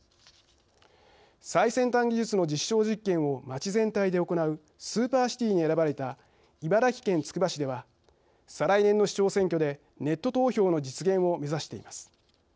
最先端技術の実証実験を街全体で行うスーパーシティに選ばれた茨城県つくば市では再来年の市長選挙でネット投票の実現を目指しています。